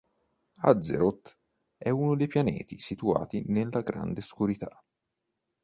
Azeroth è uno dei pianeti situati nella Grande Oscurità.